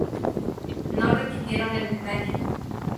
No repitieron el detalle.